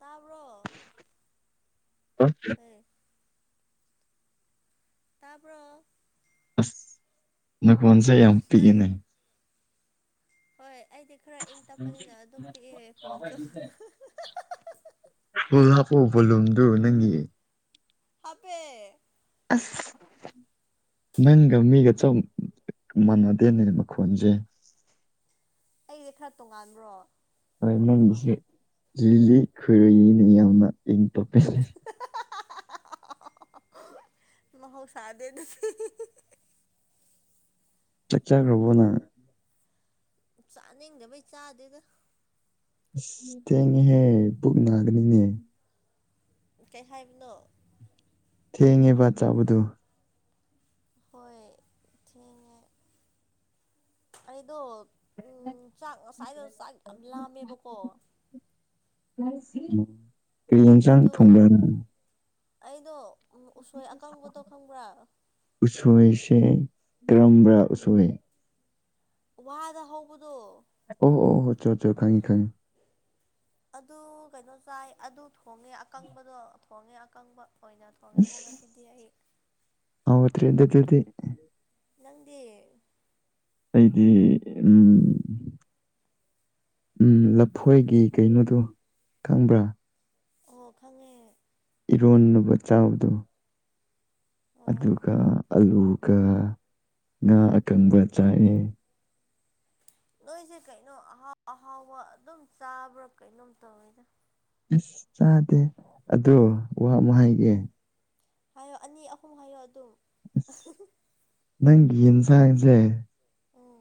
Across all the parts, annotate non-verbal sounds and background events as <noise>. ꯇꯥꯕ꯭ꯔꯣ ꯑ ꯍꯣꯏ ꯇꯄ꯭ꯔꯣ ꯑꯁ ꯅꯈꯣꯟꯁꯦ ꯌꯥꯝ ꯑꯁ ꯅꯪꯒꯤ ꯄꯤꯛꯏꯦꯅ ꯍꯣꯏ ꯑꯩꯗꯤ ꯈꯔ ꯏꯪ ꯇꯞꯄꯅꯤꯅ ꯑꯗꯨꯝ ꯄꯤꯛꯑꯦ ꯐꯣꯟꯁꯨ ꯑꯣ ꯍꯥꯞꯄꯨ ꯕꯣꯂꯨꯝꯗꯨ ꯅꯪꯒꯤ ꯑꯄꯦ ꯑꯁ ꯅꯪꯒ ꯃꯤꯒ ꯆ ꯃꯥꯟꯅꯗꯦꯅꯦ ꯃꯈꯣꯟꯁꯦ ꯑꯩꯗꯤ ꯈꯔ ꯇꯣꯡꯉꯥꯟꯕ꯭ꯔꯣ ꯍꯣꯏ ꯅꯪꯒꯤꯁꯦ ꯂꯤꯜꯂꯤ ꯈꯔꯨꯅꯦ ꯌꯥꯝꯅ ꯏ ꯇꯣꯄꯤ ꯃꯍꯧ ꯁꯥꯗꯦ ꯅ ꯆ ꯆꯥ ꯈꯔꯕꯣꯅꯪ ꯆꯥꯅꯤꯡꯗꯕꯩ ꯆꯥꯗꯦꯗ ꯑꯁ ꯊꯦꯡꯉꯦꯍꯦ ꯕꯨꯛ ꯅꯥꯒꯅꯤꯅꯦ ꯀꯩ ꯍꯥꯏꯕꯅꯣ ꯊꯦꯡꯉꯦꯕꯠ ꯆꯥꯕꯗꯨ ꯍꯣꯏ ꯊꯦ ꯑꯗ ꯎꯝ ꯆꯥꯛ ꯉꯁꯥꯏꯗ ꯆꯥꯛ ꯌꯥꯝ ꯂꯥꯝꯃꯦꯕꯀꯣ ꯀꯔꯤꯟꯁꯥꯡ ꯑꯗꯨꯒ ꯊꯨꯡꯕ ꯑꯩꯗꯣ ꯎꯁꯣꯏ ꯑꯀꯪꯕꯗꯣ ꯈꯪꯕ꯭ꯔꯥ ꯎꯁꯣꯏꯁꯦ ꯀꯔꯝꯕ ꯎꯁ ꯋꯥꯗ ꯍꯧꯕꯗꯣ ꯑꯣ ꯍꯣ ꯑꯣ ꯍꯣ ꯆꯣ ꯆꯣ ꯈꯪꯉꯤ ꯈꯪꯉꯤ ꯑꯗꯨ ꯀꯩꯅꯣ ꯆꯥꯏ ꯑꯗꯨ ꯊꯣꯡꯉꯦ ꯑꯀꯪꯕꯗꯣ ꯊꯣꯡꯉꯦ ꯑꯀꯪꯕ ꯑꯣꯏꯅ ꯊꯣꯡꯉꯦ ꯑꯁ ꯍꯣꯡꯉꯁꯤꯗꯤ ꯑꯩ ꯏꯁꯗꯤ ꯅꯪꯗꯤ ꯑꯩꯗꯤ ꯎꯝ ꯎꯝ ꯂꯐꯣꯏꯒꯤ ꯀꯩꯅꯣꯗꯣ ꯈꯪꯕ꯭ꯔꯥ ꯑꯣ ꯈꯪꯉꯦ ꯏꯔꯣꯟꯅꯕ ꯆꯥꯎꯗꯣ ꯑꯣ ꯑꯗꯨꯒ ꯑꯂꯨꯒ ꯉꯥ ꯑꯀꯪꯕ ꯆꯥꯏꯑ ꯅꯣꯏꯁꯦ ꯀꯩꯅꯣ ꯑꯍꯥꯎ ꯑꯍꯥꯎꯕ ꯑꯗꯨꯝ ꯆꯥꯕ꯭ꯔꯥ ꯀꯩꯅꯣꯝ ꯇꯧꯋꯤꯗ ꯑ ꯆꯥꯗꯦ ꯑꯗꯣ ꯋꯥ ꯎꯝ ꯑꯃꯍꯥꯏꯒꯤ ꯍꯥꯏꯌꯣ ꯑꯅꯤ ꯑꯍꯨꯝ ꯍꯥꯏꯌꯣ ꯑꯗꯨꯝ ꯑꯁ ꯅꯪꯒꯤ ꯌꯦꯟꯁꯥꯡꯁꯦ ꯎꯝ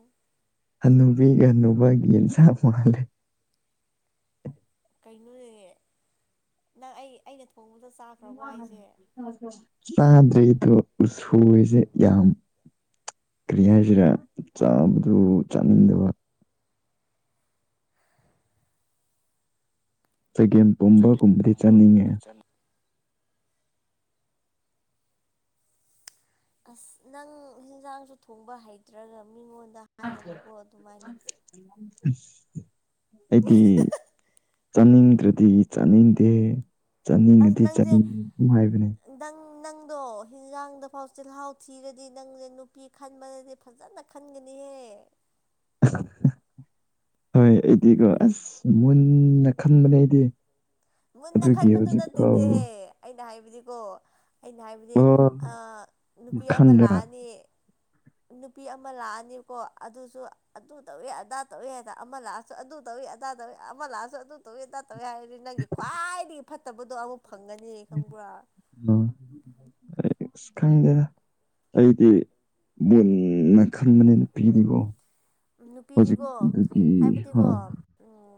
ꯑꯅꯨꯕꯤꯒꯅꯨꯕꯒꯤ ꯌꯦꯟꯁꯥꯡ ꯃꯥ ꯃꯥꯜꯂꯦ ꯀꯩꯅꯣꯅꯦ ꯅꯪ ꯑꯩ ꯑꯩꯅ ꯊꯣꯡꯕꯗ ꯆꯥꯈ꯭ꯔꯕꯣ ꯍꯥꯏꯁꯦ ꯆꯥꯗ꯭ꯔꯤꯗꯣ ꯎꯁꯣꯏꯁꯦ ꯌꯥꯝ ꯀꯔꯤ ꯍꯥꯏꯁꯤꯔꯦ ꯆꯥꯕꯗꯨ ꯆꯥꯅꯤꯡꯗꯕ ꯆꯒꯦꯝ ꯑꯩꯒꯤ ꯄꯣꯝꯕꯒꯨꯝꯕꯗꯤ ꯊꯣꯡꯕ ꯆꯥꯅꯤꯡꯉꯦ ꯀꯤꯠꯆꯟ ꯑꯁ ꯅꯪ ꯌꯦꯟꯁꯥꯡꯁꯨ ꯊꯣꯡꯕ ꯍꯩꯇ꯭ꯔꯒ ꯃꯤꯉꯣꯟꯗ <inaudible> ꯍꯥꯏꯒꯅꯨꯀꯣ ꯑꯗꯨꯃꯥꯏꯅ ꯑꯩꯗꯤ ꯆꯥꯅꯤꯡꯗ꯭ꯔꯗꯤ ꯆꯥꯅꯤꯡꯗꯦ ꯑꯁ ꯆꯠꯅꯤꯡꯉꯗꯤ ꯅꯪꯁꯦ ꯆꯠꯅꯤꯡꯉꯦ ꯑꯗꯨ ꯍꯥꯏꯕꯅꯦ ꯅꯪ ꯅꯪꯗꯣ ꯍꯤꯟꯖꯥꯡꯗ ꯐꯥꯎ ꯆꯤꯜꯍꯥꯎ ꯊꯤꯔꯗꯤ ꯅꯪꯁꯦ ꯅꯨꯄꯤ ꯈꯟꯕꯅꯗꯤ ꯐꯖꯅ ꯈꯟꯒꯅꯤ <unintelligible> ꯍꯣꯏ ꯑꯩꯗꯤꯀꯣ ꯑꯁ ꯃꯨꯟꯅ ꯈꯪꯕꯅꯦ ꯑꯩꯗꯤ ꯃꯨꯟꯅ ꯑꯗꯨꯒꯤ ꯈꯟꯕꯗꯨ ꯍꯧꯖꯤꯛ ꯐꯥꯎ ꯅꯠꯇꯦꯅꯦꯍꯦ ꯑꯩꯅ ꯍꯥꯏꯕꯗꯤꯀꯣ ꯑꯩꯅ ꯍꯥꯏꯕꯗꯤ ꯑꯣ ꯅꯨꯄꯤ ꯑꯃ ꯈꯟꯗ꯭ꯔꯥ ꯂꯥꯛꯑꯅꯤ ꯅꯨꯄꯤ ꯑꯃ ꯂꯥꯛꯑꯅꯤꯕꯀꯣ ꯑꯗꯨꯁꯨ ꯑꯗꯨ ꯇꯧꯋꯦ ꯑꯗꯥ ꯇꯧꯋꯦ ꯍꯥꯏ ꯑꯃ ꯂꯥꯛꯑꯁꯨ ꯑꯗꯨ ꯇꯧꯏꯦ ꯑꯗꯥ ꯇꯧꯏ ꯑꯃ ꯂꯥꯛꯑꯁꯨ ꯑꯗꯨ ꯇꯧꯋꯤ ꯑꯗꯥ ꯇꯧꯏ ꯍꯥꯏꯔꯗꯤ ꯅꯪꯒꯤ ꯈ꯭ꯋꯥꯏꯗꯒꯤ ꯐꯠꯇꯕꯗꯣ ꯑꯃꯨꯛ ꯐꯪꯒꯅꯤ ꯈꯪꯕ꯭ꯔꯥ ꯑ ꯑꯁ ꯈꯪꯗꯦꯔ ꯑꯩꯗꯤ ꯃꯨꯟꯅ ꯈꯟꯕꯅꯤꯅ ꯄꯤꯔꯤꯕꯔꯤꯕꯣ ꯅꯨꯄꯤꯗꯤꯀꯣ ꯍ ꯍꯥꯏꯕꯗꯤꯀꯣ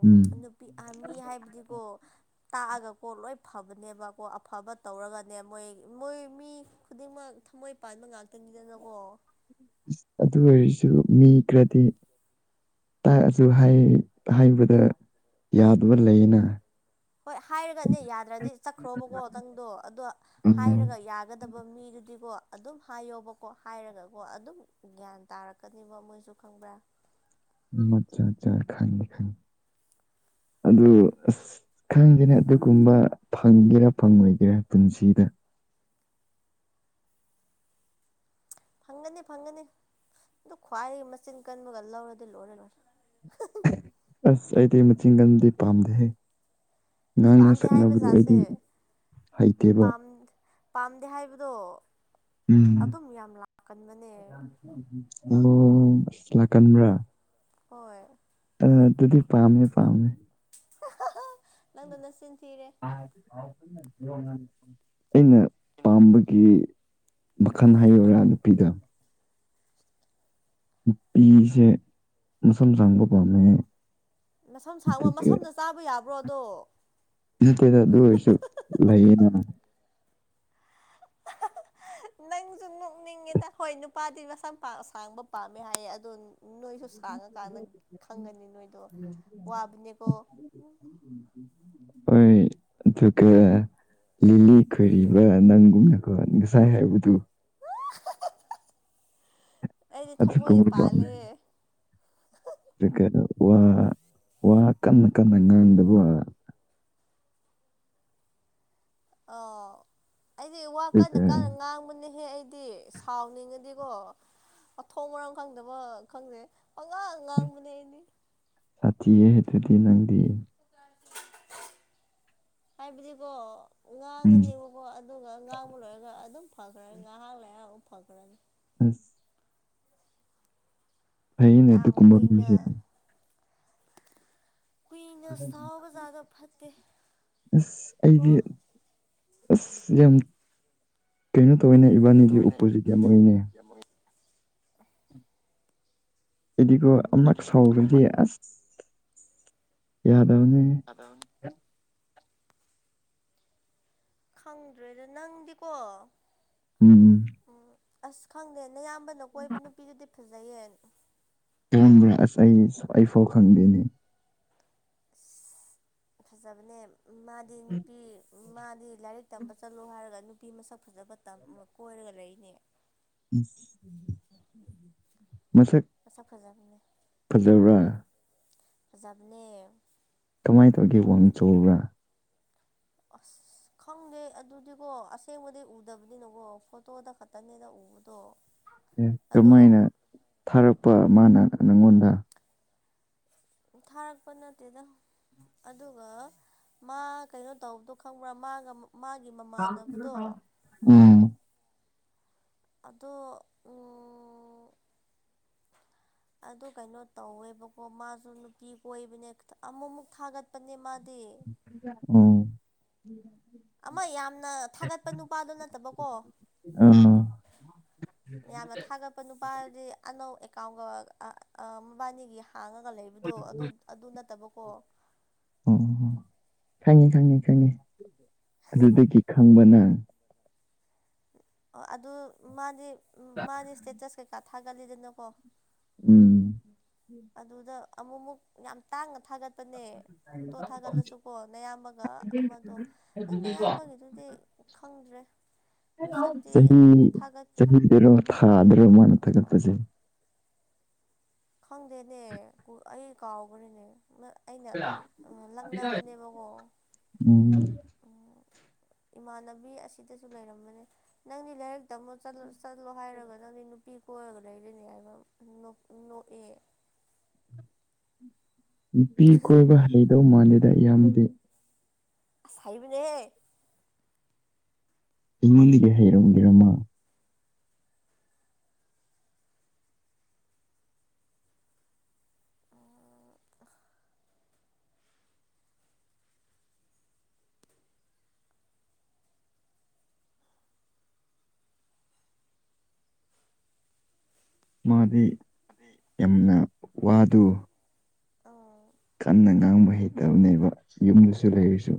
ꯎꯝ ꯎ ꯅꯨꯄꯤ ꯃꯤ ꯍꯥꯏꯕꯗꯤꯀꯣ <unintelligible> ꯇꯥꯛꯑꯒꯀꯣ ꯂꯣꯏ ꯐꯕꯅꯦꯕꯀꯣ ꯑꯐꯕ ꯇꯧꯔꯒꯅꯦ ꯃꯣꯏ ꯃꯣꯏ ꯃꯤ ꯈꯨꯗꯤꯡꯃꯛ ꯊꯃꯣꯏ ꯄꯥꯟꯕ ꯉꯥꯛꯇꯅꯤꯗꯅꯀꯣ ꯑꯗꯨ ꯑꯣꯏꯔꯁꯨ ꯃꯤ ꯈꯔꯗꯤ ꯇꯥꯛꯑꯁꯨ ꯍꯥꯏꯕꯗ ꯌꯥꯗꯕ ꯂꯩꯌꯦꯅ ꯍꯣꯏ ꯍꯥꯏꯔꯒꯅꯦ ꯌꯥꯗ꯭ꯔꯗꯤ ꯆꯠꯈ꯭ꯔꯣꯕꯀꯣ ꯅꯪꯗꯣ ꯑꯣ ꯍꯥꯏꯔꯒ ꯎꯝ ꯌꯥꯒꯗꯕ ꯃꯤ ꯑꯗꯨꯗꯤꯀꯣ ꯑꯗꯨꯝ ꯍꯥꯏꯌꯣꯕꯀꯣ ꯍꯥꯏꯔꯒꯀꯣ ꯑꯗꯨꯝ ꯒ꯭ꯌꯥꯟ ꯇꯥꯔꯛꯀꯅꯤꯕ ꯃꯣꯏꯁꯨ ꯈꯪꯕ꯭ꯔꯥ ꯃꯖꯥ ꯆ ꯈꯪ ꯈꯅꯤ ꯑꯗꯨ ꯑꯁ ꯈꯪꯗꯦꯅ ꯑꯗꯨꯒꯨꯝꯕ ꯐꯪꯒꯦꯔꯥ ꯐꯪꯉꯣꯏꯒꯦꯔꯥ ꯄꯨꯟꯁꯤꯗ <unintelligible> ꯐꯪꯒꯅꯤ ꯐꯪꯒꯅꯤ ꯑꯗꯨ ꯈ꯭ꯋꯥꯏ ꯃꯆꯤꯟ ꯀꯟꯕꯒ ꯂꯧꯔꯗꯤ ꯂꯣꯏꯔ ꯂꯣꯏꯔꯦ ꯑꯁ ꯑꯩꯗꯤ ꯃꯆꯤꯟꯒꯟꯗꯤ ꯄꯥꯝꯗꯦꯍꯦ ꯉꯥꯡꯅ ꯄꯥꯝꯗꯦ ꯍꯥꯏꯕ ꯁꯛꯅꯕꯗꯨ ꯖꯥꯠꯁꯦ ꯑꯩꯗꯤ ꯍꯩꯇꯦꯕ ꯄꯥꯝ ꯄꯥꯝꯗꯍꯥꯏꯗ ꯎꯝ ꯑꯗꯨꯝ ꯌꯥꯝ ꯂꯥꯛꯀꯟꯕꯅꯦ ꯑꯣ ꯑꯁ ꯂꯥꯛꯀꯟꯕ꯭ꯔꯥ ꯍꯣꯏ ꯑ ꯑꯗꯨꯗꯤ ꯄꯥꯝꯃꯦ ꯄꯥꯝꯃꯦ <unintelligible> ꯅꯆꯤꯟ ꯊꯤꯔꯦ <inaudible> ꯑꯩꯅ ꯑꯩꯅ ꯄꯥꯝꯕꯒꯤ ꯃꯈꯜ ꯍꯥꯏꯌꯔꯥ ꯅꯨꯄꯤꯗ ꯄꯤꯁꯦ ꯃꯁꯝ ꯁꯥꯡꯕ ꯄꯥꯝꯃꯦ ꯃꯁꯝ ꯁꯥꯡꯕ ꯃꯁꯝꯅ ꯆꯥꯕ ꯌꯥꯕ꯭ꯔꯣꯗꯣ ꯅꯠꯇꯗ ꯑꯗꯨ ꯑꯣꯏꯁꯨ ꯂꯩꯅ <inaudible> ꯅꯪꯁꯨ ꯅꯣꯛꯅꯤꯡꯉꯦꯗ ꯍꯣꯏ ꯅꯨꯄꯥꯗꯤ ꯃꯁꯥ ꯁꯥꯡꯕ ꯄꯥꯝꯃꯦ ꯍꯥꯏꯌꯦ ꯑꯗꯨ ꯅꯣꯏꯁꯨ ꯁꯥꯡꯉꯀꯥꯟꯗ ꯈꯪꯒꯅꯤ ꯅꯣꯏꯗꯣ ꯋꯥꯕꯅꯦꯀꯣ ꯑꯩꯣꯏ ꯊ ꯀ ꯂꯤꯂꯤ ꯈꯣꯏꯔꯤꯕ ꯅꯪꯒꯨꯝꯅꯀꯣ ꯉꯁꯥꯏ ꯍꯥꯏꯕꯗꯨ ꯑꯩꯗꯤ ꯊꯃꯣꯏꯁꯦ ꯑꯗꯨꯒꯨꯝꯕ ꯄꯥꯜꯂꯦ ꯀꯔꯤꯀꯦ ꯋꯥ ꯋꯥ ꯀꯟꯅ ꯀꯟꯅ ꯉꯥꯡꯗꯕ ꯑꯣ ꯑꯩꯗꯤ ꯋꯥ ꯀꯟꯅ ꯑꯗꯨꯒ ꯀꯥꯟꯟꯅ ꯉꯥꯡꯕꯅꯦꯍꯦ ꯑꯩ ꯍꯥꯏꯗꯤ ꯁꯥꯎꯅꯤꯡꯉꯗꯤꯀꯣ ꯑꯊꯣꯡ ꯃꯔꯝ ꯈꯪꯗꯕ ꯈꯪꯗꯦ ꯑꯉ ꯉꯉꯥꯡꯗꯦꯗꯤ ꯆꯤꯗꯨꯗꯤ ꯅꯪꯗꯤ ꯍꯥꯏꯥꯏꯕꯗꯤꯀꯣ ꯎꯝ ꯉꯥꯡꯉꯅꯦꯕꯀꯣ ꯑꯗꯨꯒ ꯉꯥꯡꯕ ꯂꯣꯏꯔꯒ ꯑꯗꯨꯝ ꯐꯈ꯭ꯔꯅꯤ ꯉꯥꯏꯍꯥꯛ ꯂꯩꯔꯒꯥ ꯑꯗꯨꯝ ꯐꯈ꯭ꯔꯅꯤ ꯑꯁ <inaudible> ꯐꯩꯅꯦ ꯌꯥꯝ ꯑꯗꯨꯀꯨꯝꯕꯥ ꯀꯨꯏꯅ ꯃꯤꯁꯦ ꯀꯨꯏꯅ ꯁꯥꯎꯕꯖꯥꯗꯣ ꯐꯠꯇꯦ ꯑꯁ ꯑꯩꯗꯤ ꯀꯣ ꯑꯁ ꯌꯥꯝ ꯀꯩꯅꯣ ꯇꯧꯋꯦꯅꯦ ꯏꯕꯥꯅꯤꯗꯤ ꯇꯣꯏꯅ ꯎꯞꯄꯣꯖꯤꯠ ꯌꯥꯝ ꯑꯩꯗꯤ ꯑꯣꯏꯔꯤꯅꯦ ꯏꯗꯤꯀꯣ ꯑꯃꯛ ꯑꯃ ꯁꯥꯎꯔꯗꯤ ꯑꯁ ꯌꯥ ꯑꯗ <inaudible> ꯈꯪꯗ꯭ꯔꯦꯗ ꯅꯪꯗꯤꯀꯣ ꯎꯝ ꯎꯝ ꯎꯝ ꯑꯁ ꯈꯪꯗꯦ ꯅꯌꯥꯝꯕꯅ ꯀꯣꯏꯕ ꯅꯨꯄꯤꯗꯨꯗꯤ ꯐꯖꯩꯌꯦ ꯈꯪꯕ꯭ꯔꯥ ꯑꯁ ꯑꯩ ꯑꯩ ꯐꯥꯎ ꯈꯪꯗꯦꯅꯦ ꯐꯖꯕꯅꯦ ꯃꯥꯗꯤ ꯅꯨꯄꯤ ꯃꯥꯗꯤ ꯂꯥꯏꯔꯤꯛ ꯇꯝꯕ ꯆꯠꯂꯣ ꯍꯥꯏꯔꯒ ꯅꯨꯄꯤ ꯃꯁꯛ ꯐꯖꯕ ꯇꯝꯃꯒ ꯀꯣꯏꯔꯒ ꯂꯩꯔꯤꯅꯦ ꯃꯁꯛ ꯐꯖꯕꯅꯦ ꯐꯖꯕ꯭ꯔꯥ ꯐꯖꯕꯥꯅꯦ ꯀꯃꯥꯏꯅ ꯇꯧꯒꯦ ꯋꯥꯡ ꯆꯥꯎꯕ꯭ꯔꯥ ꯑꯁ ꯈꯪꯗꯦ ꯑꯗꯨꯗꯤꯀꯣ ꯑꯁꯦꯡꯕꯗꯤ ꯎꯗꯕꯅꯤꯅꯀꯣ ꯐꯣꯇꯣꯗ ꯈꯛꯇꯅꯦꯅ ꯎꯕꯗꯣ ꯑꯦ ꯑꯗꯣ ꯀꯃꯥꯏꯅ ꯊꯥꯔꯛꯄ ꯃꯥꯅ ꯅꯪꯉꯣꯟꯗ ꯊꯥꯔꯛꯄ ꯅꯠꯇꯦꯗ ꯑꯗꯨꯒ ꯃꯥ ꯀꯩꯅꯣ ꯇꯧꯕꯗꯣ ꯈꯪꯕ꯭ꯔꯥ ꯃꯥꯒ ꯃꯥꯒꯤ ꯃꯃꯥꯟꯅꯕꯗꯣ ꯎꯝ ꯑꯗꯣ ꯑꯗꯨ ꯀꯩꯅꯣ ꯇꯧꯋꯦꯕꯀꯣ ꯃꯥꯁꯨ ꯅꯨꯄꯤ ꯀꯣꯏꯕꯅꯦꯈꯤ ꯑꯃꯨꯛꯃꯨꯛ ꯊꯥꯒꯠꯄꯅꯦ ꯃꯥꯗꯤ ꯑꯝ ꯑꯃ ꯌꯥꯝꯅ ꯊꯥꯒꯠꯄ ꯅꯨꯄꯥꯗꯣ ꯅꯠꯇꯕꯀꯣ ꯑꯥ ꯌꯥꯝꯅ ꯊꯥꯒꯠꯄ ꯅꯨꯄꯥꯗꯤ ꯑꯅꯧ ꯀꯥꯎꯒ ꯃꯕꯅꯤꯒꯤ ꯍꯥꯡꯉꯒ ꯂꯩꯕꯗꯣ ꯑꯗꯨ ꯑꯗꯨ ꯅꯠꯇꯕꯀꯣ ꯈꯪꯉꯤ ꯈꯪꯉꯤ ꯈꯪꯉꯤ ꯑꯗꯨꯗꯒꯤ ꯈꯪꯕ ꯅꯪ ꯑꯣ ꯑꯗꯨ ꯃꯥꯗꯤ ꯃꯥꯗꯤ ꯏꯁꯇꯦꯇꯁ ꯀꯩꯀꯥ ꯊꯥꯒꯠꯂꯤꯗꯅꯀꯣ ꯎꯝ ꯑꯗꯨꯗ ꯑꯃꯨꯛꯃꯨꯛ ꯌꯥꯝ ꯇꯥꯡꯅ ꯊꯥꯒꯠꯄꯅꯦ ꯐꯣꯇꯣ ꯊꯥꯒꯠꯂꯁꯨꯀꯣ ꯑꯌꯥꯝꯕꯒ ꯑꯃꯗꯣ ꯑꯗꯨꯝ ꯅꯌꯥꯝꯕꯒꯤꯗꯨꯗꯤ ꯈꯪꯗ꯭ꯔꯦ ꯃꯁꯛꯇꯤ ꯆꯍꯤ ꯊꯥꯒꯠ ꯆꯍꯤ ꯕꯦꯔꯣ ꯊꯥꯗ꯭ꯔꯣ ꯃꯥꯅ ꯊꯥꯒꯠꯄꯁꯦ ꯈꯗꯦꯅꯦ ꯑꯩ ꯀꯥꯎꯈ꯭ꯔꯦꯅꯦ ꯑꯩꯅ ꯂꯛꯅꯕꯅꯦꯕꯀꯣ ꯎꯝ ꯏꯃꯥꯟꯅꯕꯤ ꯑꯁꯤꯗꯁꯨ ꯂꯩꯔꯝꯕꯅꯦ ꯅꯪꯗꯤ ꯂꯥꯏꯔꯤꯛ ꯇꯝꯕ ꯆꯠꯂꯨ ꯆꯠꯂꯣ ꯍꯥꯏꯔꯒ ꯅꯪꯗꯤ ꯅꯨꯄꯤ ꯀꯣꯏꯔꯒ ꯂꯩꯔꯤꯅꯦ ꯍꯥꯏꯕ ꯑꯦ ꯅꯨꯄꯤ ꯀꯣꯏꯕ ꯍꯩꯇꯕꯥ ꯃꯥꯟꯂꯦꯗ ꯏꯌꯥꯝꯕꯗꯤ ꯏꯁ ꯍꯩꯕꯅꯤꯍꯦ ꯑꯩꯒꯣꯟꯗꯒꯤ ꯍꯩꯔꯝꯒꯔꯃ ꯃꯥꯗꯤ ꯑꯗꯩ ꯌꯥꯝꯅ ꯋꯥꯗꯨ ꯑꯣ ꯀꯟꯅ ꯉꯥꯡꯕ ꯍꯩꯇꯕꯅꯦꯕ ꯌꯨꯝꯗꯁꯨ ꯂꯩꯔꯁꯨ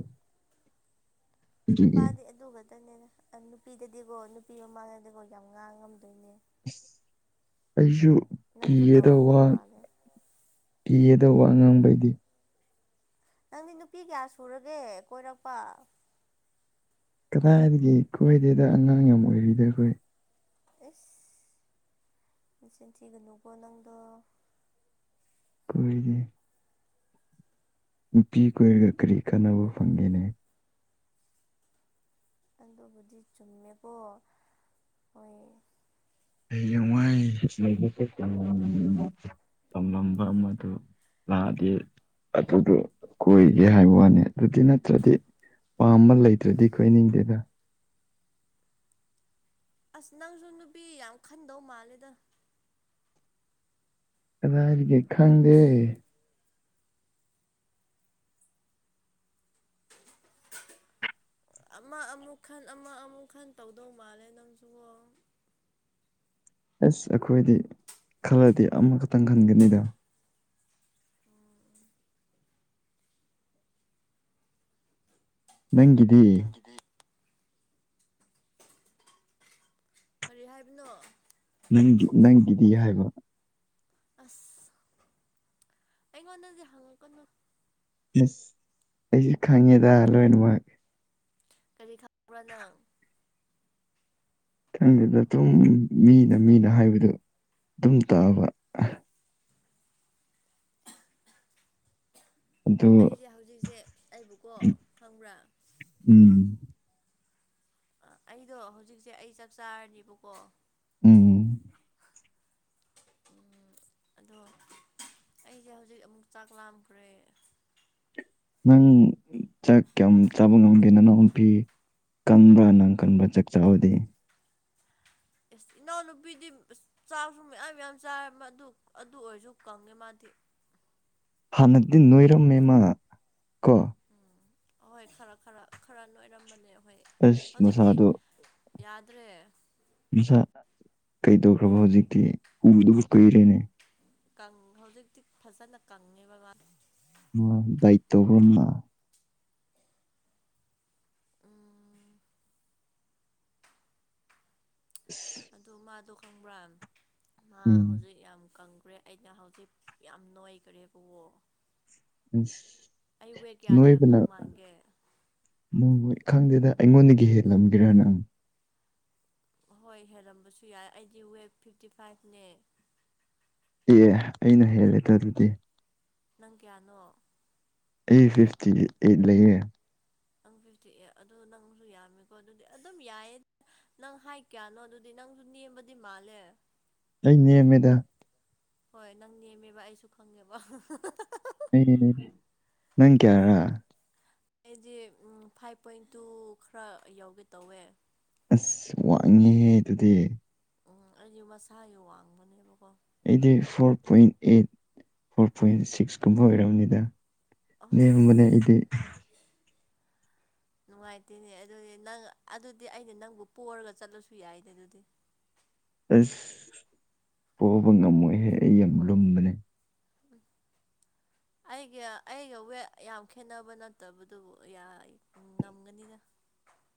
ꯑꯗꯨꯒꯤ ꯅꯨꯄꯥꯗꯤ ꯑꯗꯨ ꯈꯛꯇꯅꯦꯅꯦ ꯅꯨꯄꯤꯗꯗꯤꯀꯣ ꯅꯨꯄꯤ ꯃꯃꯥꯡꯗꯗꯤꯀꯣ ꯌꯥꯝ ꯉꯥꯡ ꯉꯝꯗꯣꯏꯅꯦ ꯑꯩꯖꯨ ꯅꯪꯁꯨ ꯇꯧꯔꯝꯗꯧ ꯃꯥꯜꯂꯦ ꯏꯌ‌ꯦꯗ‌ꯣ ꯋꯥ ꯉꯥꯡꯕꯒꯤ ꯅꯪꯗꯤ ꯅꯨꯄꯤ ꯀꯌꯥ ꯁꯨꯔꯒꯦ ꯀꯣꯏꯔꯛꯄ ꯀꯗꯥꯏꯗꯒꯤ ꯀꯣꯏꯗꯦꯗ ꯑꯉꯥꯡ ꯌꯥꯝ ꯑꯣꯏꯔꯤꯗ ꯑꯩꯈꯣꯏ ꯑꯁ ꯅꯆꯤꯟ ꯊꯤꯒꯅꯨꯀꯣ ꯅꯪꯗ‌ꯣ ꯀꯔꯤꯒꯤ ꯅꯨꯄꯤ ꯀꯣꯏꯔꯒ ꯀꯔꯤ ꯀꯥꯟꯅꯕ ꯐꯪꯒꯦꯅꯦ ꯑꯗꯨꯕꯨꯗꯤ ꯆꯨꯝꯃꯦꯕꯣ ꯍꯣꯏ ꯍꯌ‌ꯦꯡꯋꯥꯏ ꯂꯩꯕꯛꯇ ꯇꯝꯂꯝꯕ ꯑꯃꯗ‌ꯣ ꯇꯝꯂꯝꯕ ꯑꯃꯗꯨ ꯂꯥꯛꯑꯗꯤ ꯑꯗꯨꯗꯣ ꯀꯣꯏꯒꯦ ꯍꯥꯏꯕ ꯋꯥꯅꯤ ꯑꯗꯨ ꯅꯠꯇ꯭ꯔꯗꯤ ꯄꯥꯝꯕ ꯂꯩꯇ꯭ꯔꯗꯤ ꯈꯣꯏꯅꯤꯡꯗꯦꯗ ꯑꯁ ꯅꯪꯁꯨ ꯅꯨꯄꯤ ꯌꯥꯝ ꯈꯟꯗꯧ ꯃꯥꯜꯂꯦꯗ ꯀꯗꯥꯏꯗꯒꯤ ꯈꯪꯗ‌ꯦ ꯑꯃ ꯑꯃꯨꯛ ꯈꯟ ꯑꯃ ꯑꯃꯨꯛ ꯈꯟ ꯇꯧꯗꯧ ꯃꯥꯜꯂꯦ ꯅꯪꯁꯨꯀꯣ ꯑꯁ ꯑꯩꯈꯣꯏꯗꯤ ꯈꯜꯂꯗꯤ ꯑꯃꯈꯛꯇꯪ ꯈꯟꯒꯅꯤꯗ <inaudible> ꯅꯪꯒꯤꯗꯤ ꯅꯪꯒꯤꯗꯤ ꯀꯔꯤ ꯍꯥꯏꯕꯅꯣ ꯅꯪꯒꯤ ꯅꯪꯒꯤꯗꯤ ꯍꯥꯏꯕ ꯑꯁ ꯑꯩꯉꯣꯟꯗꯗꯤ ꯍꯧꯔꯛꯀꯅꯨ ꯑꯁ ꯑꯩꯁꯨ ꯈꯪꯉꯦꯗ ꯂꯣꯏꯅꯃꯛ ꯀꯔꯤ ꯈꯪꯕꯔ ꯅꯪ ꯈꯪꯗ‌ꯦꯗ ꯑꯇꯩ ꯑꯗꯨꯝ ꯃꯤꯅ ꯃꯤꯅ ꯍꯥꯏꯕꯗꯨ ꯑꯗꯨꯝ ꯇꯥꯕ ꯑꯗꯨ ꯑꯩꯁ‌ꯦ ꯍꯧꯖꯤꯛꯁꯦ ꯑꯩꯕꯨꯀꯣ ꯈꯪꯕ꯭ꯔꯥ ꯎꯝ ꯑ ꯑꯩꯗꯣ ꯍꯧꯖꯤꯛꯁꯦ ꯑꯩ ꯆꯥꯛ ꯆꯥꯔꯅꯤꯕꯀꯣ ꯎꯝ ꯎꯝ ꯑꯗꯣ ꯑꯩꯁꯦ ꯍꯧꯖꯤꯛ ꯑꯃꯨꯛ ꯆꯥꯛ ꯂꯥꯝꯈꯔꯦ ꯅꯪ ꯆꯥꯛ ꯀꯌꯥꯝ ꯆꯥꯕ ꯉꯝꯗꯦꯅ ꯅꯎꯄꯤ ꯀꯪꯕ꯭ꯔꯥ ꯅꯪ ꯀꯟꯕ꯭ꯔꯥ ꯆꯥꯛ ꯆꯥꯕꯗꯤ ꯑꯦꯁ ꯏꯅꯥꯎꯅꯨꯄꯤꯗꯤ ꯏꯁ ꯆꯥ ꯆꯥꯕꯁꯨ ꯃꯌꯥꯝ ꯌꯥꯝ ꯆꯥꯔ ꯑꯗꯨ ꯑꯗꯨ ꯑꯣꯏꯔꯁꯨ ꯀꯪꯉꯦ ꯃꯥꯗꯤ ꯍꯅꯗꯒꯤ ꯅꯣꯏꯔꯝꯅꯤ ꯅꯀꯣ ꯍꯣꯏ ꯈꯔ ꯈꯔ ꯈꯔ ꯂꯣꯏꯔꯝꯃꯅꯦ ꯑꯁ ꯃꯁꯥꯗꯨ ꯌꯥꯗ꯭ꯔꯦ ꯃꯁꯥ ꯀꯩꯗꯧꯈ꯭ꯔꯕ ꯍꯧꯖꯤꯛꯇꯤ ꯎꯗꯕ ꯀꯨꯏꯔꯦ ꯀ‌ꯪ ꯍꯧꯖꯤꯛꯇꯤ ꯐꯖꯅ ꯀꯪꯉꯦꯕ ꯃꯥ ꯃꯥ ꯗꯥꯏꯠ ꯇꯧꯕꯩꯅ ꯎꯝ ꯏꯁ ꯑꯗꯨ ꯃꯥꯗꯣ ꯈꯪꯕ꯭ꯔꯥ ꯃꯥ ꯎꯝ ꯍꯧꯖꯤꯛ ꯌꯥꯝ ꯀꯪ ꯈꯔꯦ ꯑꯩꯅ ꯍꯧꯖꯤꯛ ꯌꯥꯝ ꯅ‌ꯣꯏꯈꯔꯦꯕꯀ‌ꯣ ꯑꯁ ꯅꯣꯏꯕꯅ ꯂꯩꯔꯝꯗꯧ ꯃꯥꯟꯒꯦ ꯅꯣꯏ ꯈꯪꯗꯦꯗ ꯑꯩꯉꯣꯟꯗꯒꯤ ꯍꯦꯜꯂꯝꯒꯗꯔ ꯅꯪ ꯍꯣꯏ ꯍꯦꯜꯂꯝꯕꯁꯨ ꯌꯥꯏ ꯑꯩꯗꯤ ꯋꯦꯠ ꯐꯤꯐꯇꯤ ꯐꯥꯏꯚꯅꯦ ꯑꯦ ꯑꯩꯅ ꯍꯦꯜꯂꯦꯇ ꯑꯗꯨꯗꯤ ꯅꯪ ꯀꯌꯥꯅꯣ ꯑꯦ ꯐꯤꯐꯇꯤ ꯑꯦꯠ ꯂꯩꯌ‌ꯦ ꯀ‌ꯦꯑꯦ ꯑꯗꯨ ꯅꯪꯁꯨ ꯌꯥꯝꯃꯦꯀꯣ ꯑꯗꯨꯗꯤ ꯑꯗꯨꯝ ꯌꯥꯏꯌꯦ ꯅꯪ ꯍꯥꯏꯠ ꯀꯌꯥꯅꯣ ꯑꯗꯨꯗꯤ ꯅꯪꯁꯨ ꯅ‌ꯦꯝ ꯕꯗꯤ ꯃꯥꯜꯂ‌ꯦ ꯅꯣ ꯅꯦꯝꯃꯦꯗ ꯍꯣꯏ ꯅꯪ ꯅꯦꯝꯃꯦꯕ ꯑꯩꯁꯨ ꯈꯪꯉꯦꯕ ꯅꯪ ꯀꯦꯔ ꯑꯩꯗꯤ ꯎ ꯐꯥꯏꯚ ꯄꯣꯏꯟ ꯇꯨ ꯈꯔ ꯌꯥꯎꯒꯦ ꯇꯧꯋꯦ ꯑꯁ ꯋꯥꯡꯉꯦꯍꯦ ꯑꯗꯨꯗꯤ ꯎꯝ ꯑꯩꯁ ꯃꯁꯥꯁꯨ ꯋꯥꯡꯕꯅꯦꯕꯀꯣ ꯑꯩꯗꯤ four point eight four point ꯁꯤꯛꯁꯀꯨꯝꯕ ꯑꯣꯏꯔꯕꯅꯤꯗ ꯑꯁ ꯅꯦꯝꯕꯅꯦ ꯑꯩꯗꯤ <unintelligible> ꯅꯨꯡꯉꯥꯏꯇꯦꯅꯦ ꯑꯗꯨꯗꯤ ꯅꯪ ꯑꯗꯨꯗꯤ ꯑꯩꯅ ꯅꯪꯕꯨ ꯄꯣꯔꯒ ꯆꯠꯂꯁꯨ ꯌꯥꯏꯅꯦ ꯑꯗꯨꯗꯤ ꯑꯁ ꯄꯣꯕ ꯉꯝꯃꯣꯏꯍꯦ ꯑꯩ ꯌꯥꯝ ꯂꯨꯝꯕꯅꯦ ꯑꯩꯒ ꯑꯩꯒ ꯋꯦꯠ ꯌꯥꯝ ꯈꯦꯠꯅꯕ ꯅꯠꯇꯕꯗꯨꯕꯨ ꯉꯝꯒꯅꯤꯅ <unintelligible>